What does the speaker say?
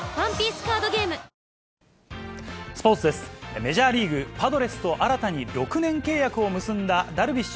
メジャーリーグ・パドレスと新たに６年契約を結んだダルビッシュ